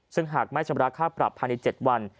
ซึ่งหากไม่ชำระค่าปรับภายใน๗วัน